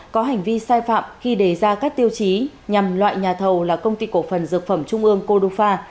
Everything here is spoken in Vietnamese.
có hành vi sai phạm khi đề ra các tiêu chí nhằm loại nhà thầu là công ty cổ phần dược phẩm trung ương cô đúc pha